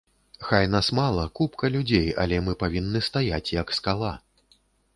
Хай нас мала, купка людзей, але мы павінны стаяць як скала.